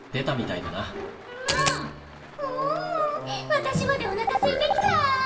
私までおなかすいてきた！